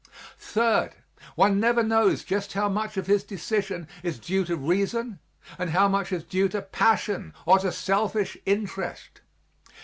Third, one never knows just how much of his decision is due to reason and how much is due to passion or to selfish interest.